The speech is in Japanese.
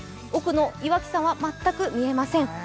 奥の岩木山は全く見えません。